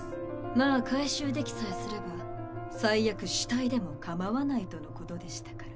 まあ回収できさえすれば最悪死体でもかまわないとのことでしたから。